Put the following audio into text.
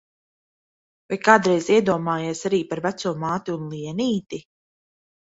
Vai kādreiz iedomājies arī par veco māti un Lienīti?